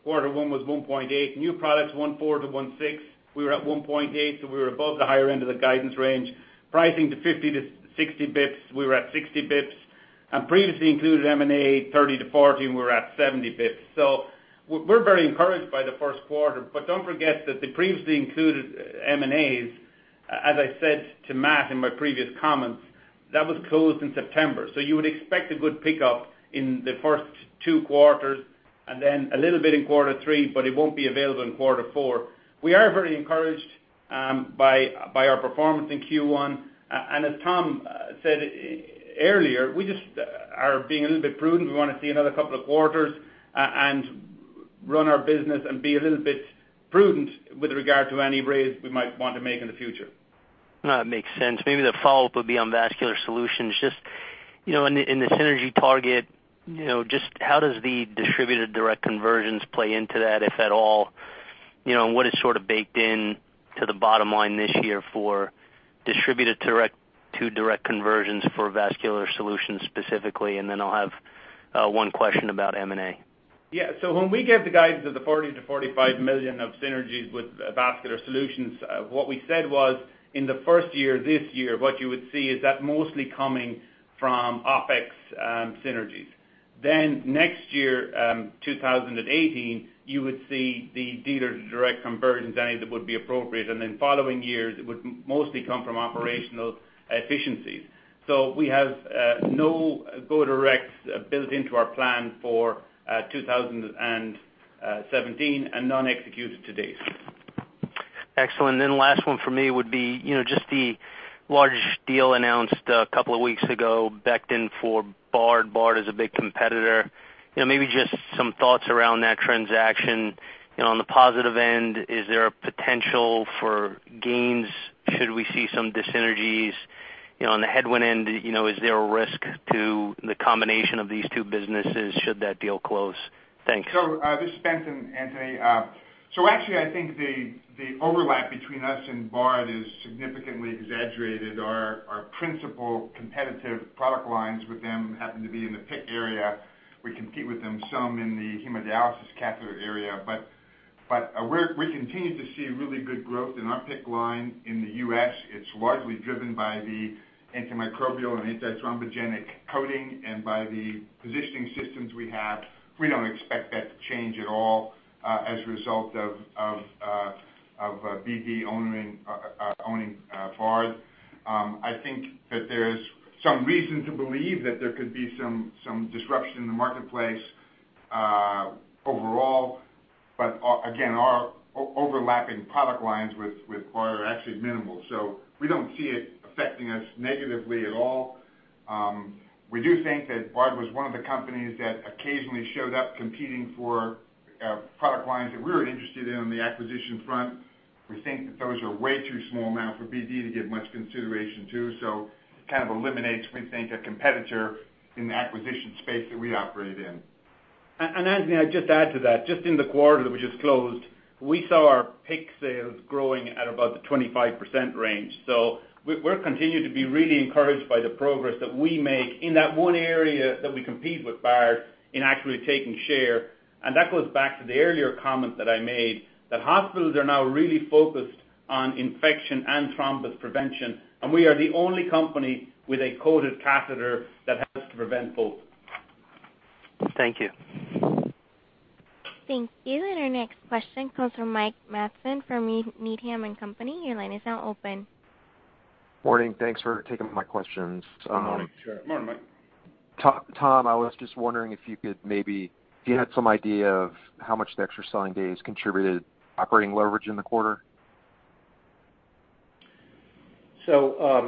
Quarter one was 1.8. New products, 1.4-1.6. We were at 1.8, so we were above the higher end of the guidance range. Pricing to 50-60 basis points, we were at 60 basis points, and previously included M&A 30-40, and we were at 70 basis points. We're very encouraged by the first quarter. Don't forget that the previously included M&As, as I said to Matt in my previous comments, that was closed in September. You would expect a good pickup in the first two quarters and then a little bit in quarter three, but it won't be available in quarter four. We are very encouraged by our performance in Q1, and as Tom said earlier, we just are being a little bit prudent. We want to see another couple of quarters and run our business and be a little bit prudent with regard to any raise we might want to make in the future. No, it makes sense. Maybe the follow-up would be on Vascular Solutions. Just in the synergy target, just how does the distributed direct conversions play into that, if at all? What is sort of baked into the bottom line this year for distributed to direct conversions for Vascular Solutions specifically? I'll have one question about M&A. Yeah. When we gave the guidance of the $40 million-$45 million of synergies with Vascular Solutions, what we said was, in the first year, this year, what you would see is that mostly coming from OpEx synergies. Next year, 2018, you would see the dealer to direct conversions, any that would be appropriate, and following years, it would mostly come from operational efficiencies. We have no go-direct built into our plan for 2017 and none executed to date. Excellent. Last one for me would be, just the large deal announced a couple of weeks ago, Becton for Bard. Bard is a big competitor. Maybe just some thoughts around that transaction. On the positive end, is there a potential for gains? Should we see some dissynergies? On the headwind end, is there a risk to the combination of these two businesses should that deal close? Thanks. This is Benson, Anthony. Actually, I think the overlap between us and Bard is significantly exaggerated. Our principal competitive product lines with them happen to be in the PICC area. We compete with them some in the hemodialysis catheter area. We continue to see really good growth in our PICC line in the U.S. It's largely driven by the antimicrobial and antithrombogenic coating and by the positioning systems we have. We don't expect that to change at all as a result of BD owning Bard. I think that there's some reason to believe that there could be some disruption in the marketplace overall. Again, our overlapping product lines with Bard are actually minimal. We don't see it affecting us negatively at all. We do think that Bard was one of the companies that occasionally showed up competing for product lines that we were interested in on the acquisition front. We think that those are way too small now for BD to give much consideration to, kind of eliminates, we think, a competitor in the acquisition space that we operate in. Anthony, I'd just add to that, just in the quarter that we just closed, we saw our PICC sales growing at about the 25% range. We're continuing to be really encouraged by the progress that we make in that one area that we compete with Bard in actually taking share. That goes back to the earlier comment that I made, that hospitals are now really focused on infection and thrombus prevention, and we are the only company with a coated catheter that helps to prevent both. Thank you. Thank you. Our next question comes from Mike Matson from Needham & Company. Your line is now open. Morning. Thanks for taking my questions. Good morning. Sure. Morning, Mike. Tom, I was just wondering if you had some idea of how much the extra selling days contributed operating leverage in the quarter?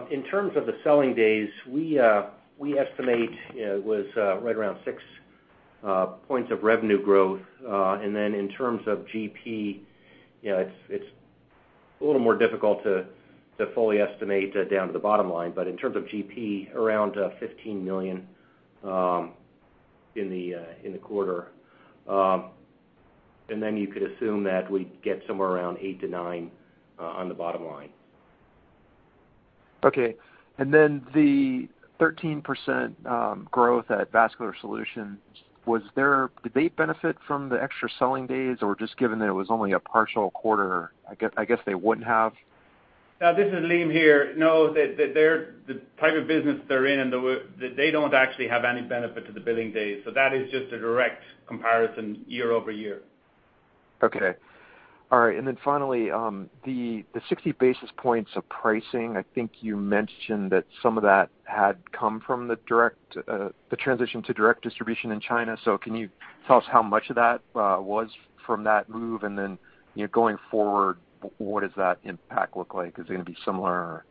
In terms of the selling days, we estimate it was right around six points of revenue growth. In terms of GP, it's a little more difficult to fully estimate down to the bottom line. In terms of GP, around $15 million in the quarter. You could assume that we'd get somewhere around eight to nine on the bottom line. Okay. The 13% growth at Vascular Solutions, did they benefit from the extra selling days? Just given that it was only a partial quarter, I guess they wouldn't have? This is Liam here. The type of business they're in, they don't actually have any benefit to the billing days. That is just a direct comparison year-over-year. Okay. All right. Finally, the 60 basis points of pricing, I think you mentioned that some of that had come from the transition to direct distribution in China. Can you tell us how much of that was from that move? Going forward, what does that impact look like? Is it going to be similar?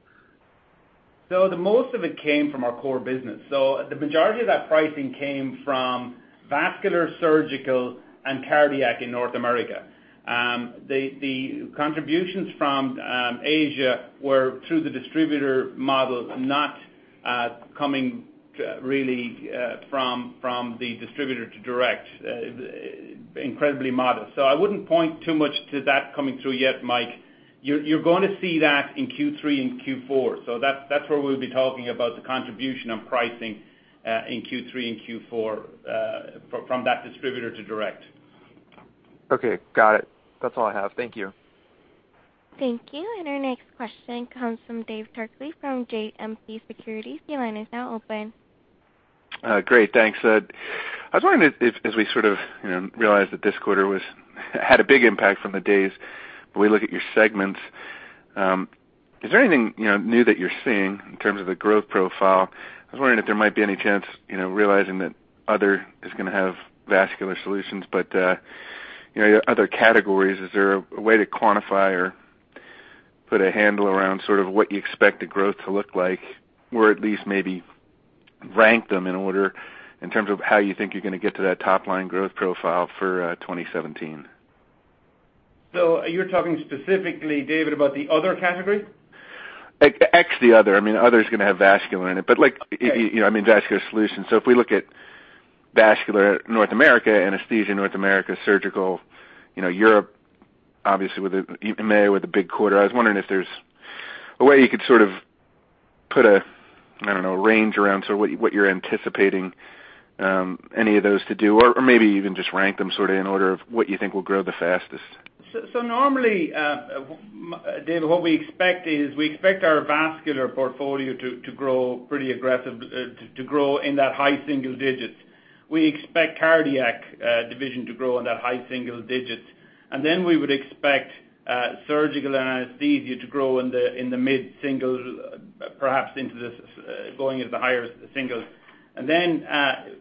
The most of it came from our core business. The majority of that pricing came from Vascular Surgical and Cardiac in North America. The contributions from Asia were through the distributor model, not coming really from the distributor to direct. Incredibly modest. I wouldn't point too much to that coming through yet, Mike. You're going to see that in Q3 and Q4. That's where we'll be talking about the contribution on pricing in Q3 and Q4 from that distributor to direct. Okay. Got it. That's all I have. Thank you. Thank you. Our next question comes from David Turkaly from JMP Securities. Your line is now open. Great. Thanks. I was wondering if, as we sort of realize that this quarter had a big impact from the days, but we look at your segments, is there anything new that you're seeing in terms of the growth profile? I was wondering if there might be any chance, realizing that other is going to have Vascular Solutions, but your other categories, is there a way to quantify or put a handle around sort of what you expect the growth to look like? Or at least maybe rank them in order in terms of how you think you're going to get to that top-line growth profile for 2017? You're talking specifically, David, about the other category? X the other. Other's going to have Vascular in it. Okay I mean, Vascular Solutions. If we look at Vascular North America, Anesthesia North America, Surgical Europe, obviously with EMEA with a big quarter. I was wondering if there's a way you could sort of put a, I don't know, range around to what you're anticipating any of those to do, or maybe even just rank them sort of in order of what you think will grow the fastest. Normally, David, what we expect is we expect our Vascular portfolio to grow in that high single digits. We expect Cardiac division to grow in that high single digits. We would expect Surgical and Anesthesia to grow in the mid-single, perhaps going into the higher singles.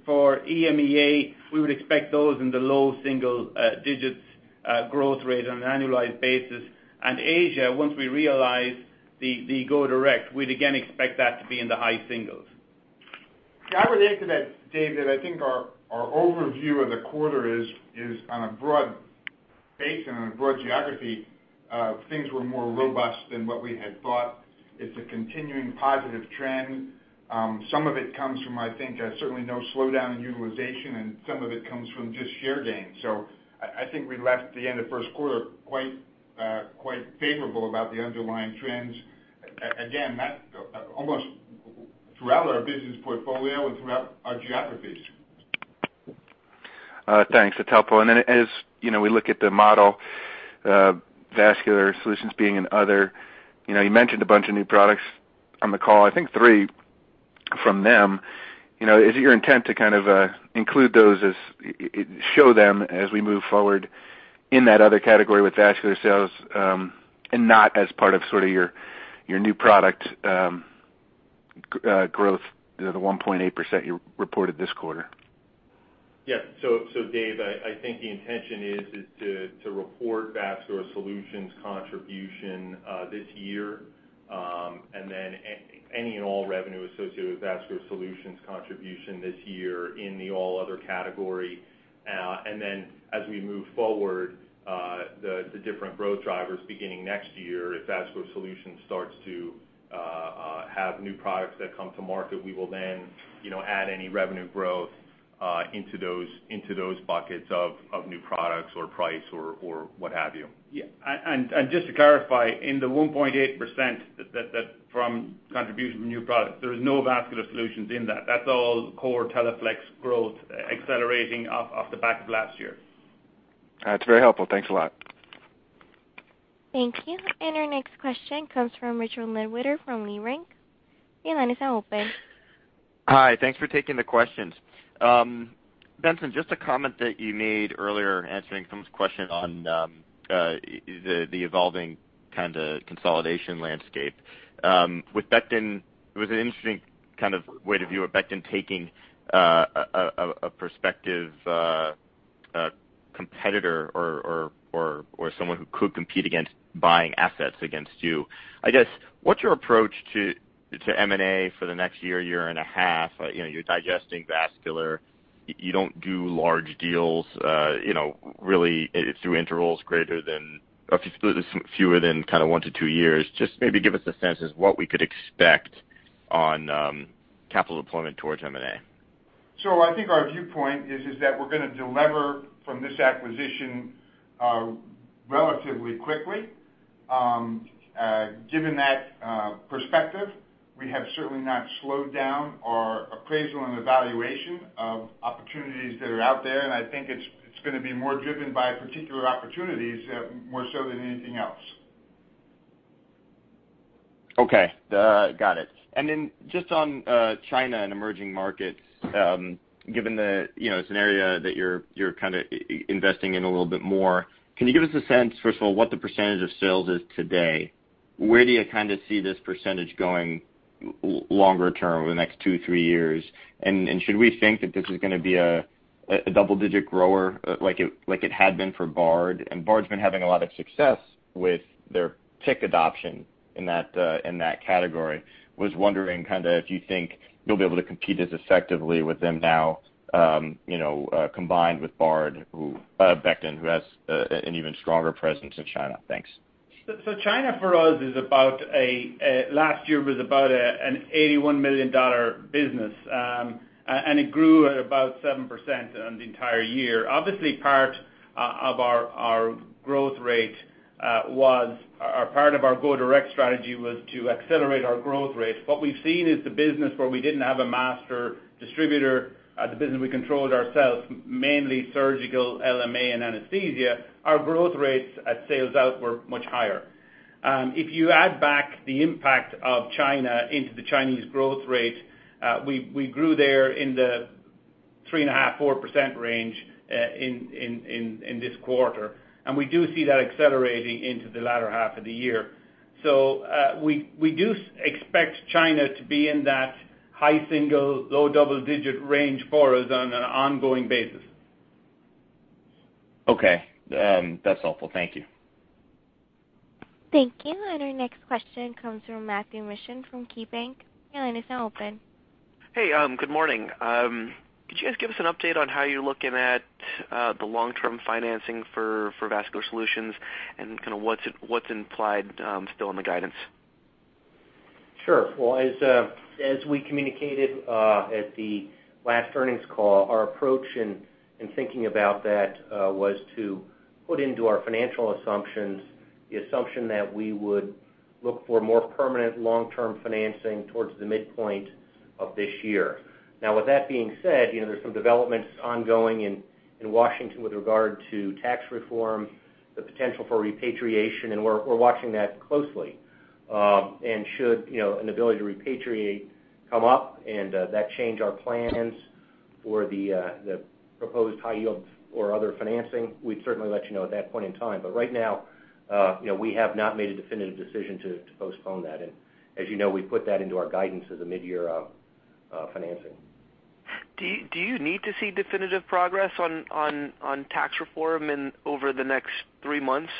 For EMEA, we would expect those in the low single digits growth rate on an annualized basis. Asia, once we realize the go direct, we'd again expect that to be in the high singles. I would add to that, Dave, that I think our overview of the quarter is on a broad base and on a broad geography, things were more robust than what we had thought. It's a continuing positive trend. Some of it comes from, I think, certainly no slowdown in utilization, and some of it comes from just share gains. I think we left the end of first quarter quite favorable about the underlying trends. Again, that almost throughout our business portfolio and throughout our geographies. Thanks. That's helpful. As we look at the model, Vascular Solutions being an other, you mentioned a bunch of new products on the call, I think three from them. Is it your intent to kind of include those, show them as we move forward in that other category with Vascular sales, and not as part of sort of your new product growth, the 1.8% you reported this quarter? Dave, I think the intention is to report Vascular Solutions contribution this year, and then any and all revenue associated with Vascular Solutions contribution this year in the all other category. Then as we move forward, the different growth drivers beginning next year, if Vascular Solutions starts to have new products that come to market, we will then add any revenue growth into those buckets of new products or price or what have you. Yeah. Just to clarify, in the 1.8% from contribution from new products, there is no Vascular Solutions in that. That's all core Teleflex growth accelerating off the back of last year. That's very helpful. Thanks a lot. Thank you. Our next question comes from Richard Newitter from Leerink. Your line is now open. Hi. Thanks for taking the questions. Benson, just a comment that you made earlier answering some question on the evolving kind of consolidation landscape. With Becton, it was an interesting kind of way to view it, Becton taking a perspective competitor or someone who could compete against buying assets against you. I guess, what's your approach to M&A for the next year and a half? You're digesting Vascular. You don't do large deals really through intervals greater than or fewer than kind of one to two years. Just maybe give us a sense as what we could expect on capital deployment towards M&A. I think our viewpoint is that we're going to deliver from this acquisition relatively quickly. Given that perspective, we have certainly not slowed down our appraisal and evaluation of opportunities that are out there. I think it's going to be more driven by particular opportunities more so than anything else. Okay. Got it. Just on China and emerging markets, given that it's an area that you're kind of investing in a little bit more, can you give us a sense, first of all, what the percentage of sales is today? Where do you kind of see this percentage going longer term over the next two, three years? Should we think that this is going to be a double-digit grower like it had been for Bard? Bard's been having a lot of success with their PICC adoption in that category. Was wondering kind of if you think you'll be able to compete as effectively with them now combined with Becton, who has an even stronger presence in China. Thanks. China for us last year was about an $81 million business. It grew at about 7% on the entire year. Obviously, part of our go-direct strategy was to accelerate our growth rate. What we've seen is the business where we didn't have a master distributor, the business we controlled ourselves, mainly surgical, LMA, and anesthesia, our growth rates at sales out were much higher. If you add back the impact of China into the Chinese growth rate, we grew there in the 3.5%, 4% range in this quarter. We do see that accelerating into the latter half of the year. We do expect China to be in that high single, low double-digit range for us on an ongoing basis. Okay. That's helpful. Thank you. Thank you. Our next question comes from Matthew Mishan from KeyBank. Your line is now open. Hey, good morning. Could you guys give us an update on how you're looking at the long-term financing for Vascular Solutions and kind of what's implied still in the guidance? Sure. Well, as we communicated at the last earnings call, our approach in thinking about that was to put into our financial assumptions the assumption that we would look for more permanent long-term financing towards the midpoint of this year. With that being said, there's some developments ongoing in Washington with regard to tax reform, the potential for repatriation, and we're watching that closely. Should an ability to repatriate come up and that change our plans for the proposed high yield or other financing, we'd certainly let you know at that point in time. Right now, we have not made a definitive decision to postpone that. As you know, we put that into our guidance as a mid-year financing. Do you need to see definitive progress on tax reform over the next three months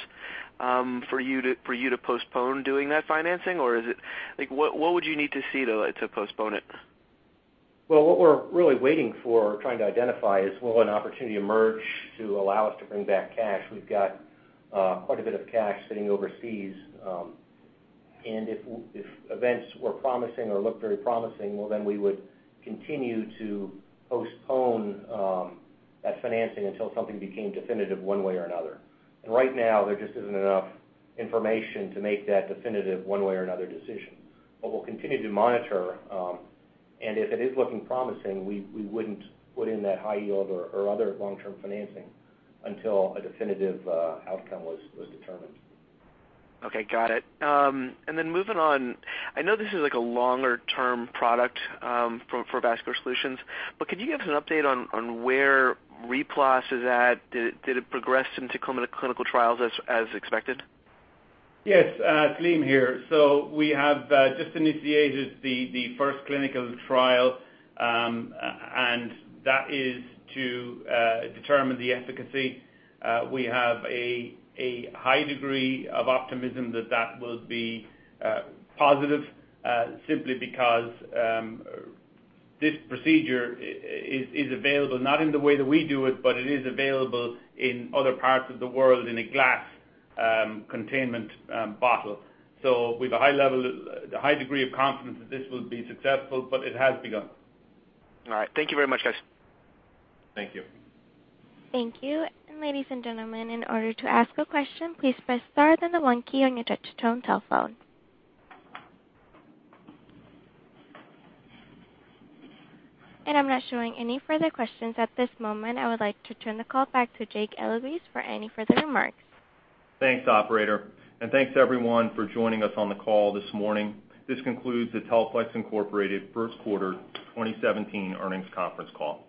for you to postpone doing that financing? Or what would you need to see, though, to postpone it? Well, what we're really waiting for, trying to identify, is will an opportunity emerge to allow us to bring back cash? We've got quite a bit of cash sitting overseas. If events were promising or look very promising, well, then we would continue to postpone that financing until something became definitive one way or another. Right now, there just isn't enough information to make that definitive one way or another decision. We'll continue to monitor, and if it is looking promising, we wouldn't put in that high yield or other long-term financing until a definitive outcome was determined. Okay, got it. Then moving on. I know this is like a longer-term product for Vascular Solutions, but could you give us an update on where RePlas is at? Did it progress into clinical trials as expected? Yes. Jake here. We have just initiated the first clinical trial, and that is to determine the efficacy. We have a high degree of optimism that that will be positive simply because this procedure is available not in the way that we do it, but it is available in other parts of the world in a glass containment bottle. We've a high degree of confidence that this will be successful, but it has begun. All right. Thank you very much, guys. Thank you. Thank you. Ladies and gentlemen, in order to ask a question, please press star, then the one key on your touch-tone telephone. I'm not showing any further questions at this moment. I would like to turn the call back to Jake Elguicze for any further remarks. Thanks, operator, and thanks, everyone, for joining us on the call this morning. This concludes the Teleflex Incorporated first quarter 2017 earnings conference call.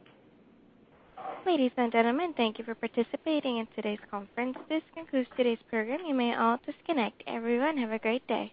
Ladies and gentlemen, thank you for participating in today's conference. This concludes today's program. You may all disconnect. Everyone, have a great day.